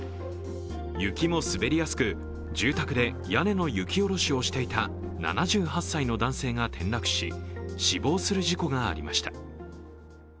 雪も滑りやすく、住宅で屋根の雪下ろしをしていた７８歳の男性が転落し、死亡する事故がありました。